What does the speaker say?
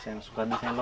desain suka desain logo